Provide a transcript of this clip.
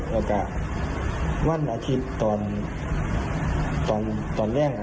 แล้วก็วันอาทิตย์ตอนตอนแรก